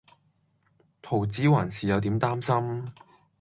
桃子還是有點擔心